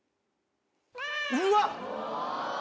うわっ！